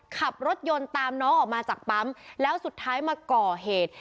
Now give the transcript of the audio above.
ขับรถยนต์ตามน้องออกมาจากปั๊มแล้วสุดท้ายมาก่อเหตุ